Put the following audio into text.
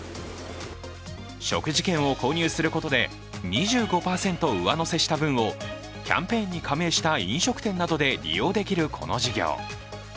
食事券を購入することで２５％上乗せした分を、キャンペーンに加盟した飲食店などで利用できるこの事業。